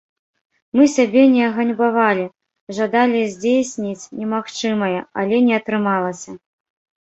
Мы сябе не аганьбавалі, жадалі здзейсніць немагчымае, але не атрымалася.